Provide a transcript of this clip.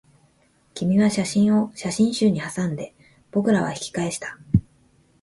君は写真を写真集にはさんで、僕らは引き返した